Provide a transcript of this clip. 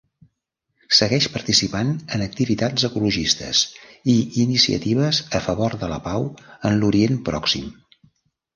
Segueix participant en activitats ecologistes i iniciatives a favor de la pau en l'Orient Pròxim.